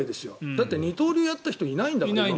だって二刀流をやった人いないんだもん。